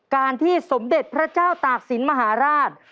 การที่สมเด็จพระเจ้าตากศิลปมหาราช